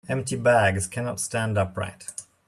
Empty bags cannot stand upright.